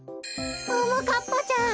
ももかっぱちゃん！